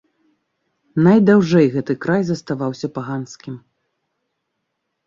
Найдаўжэй гэты край заставаўся паганскім.